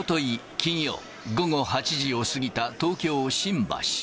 金曜午後８時を過ぎた東京・新橋。